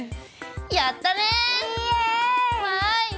やったね！